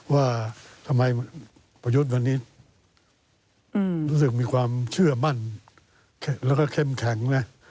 ว่าทำไมประยุทธ์วันนี้รู้สึกมีความเชื่อมั่นแล้วก็เข้มแข็งนะ